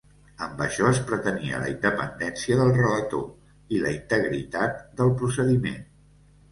Amb això es pretenia la independència del relator i la integritat del procediment.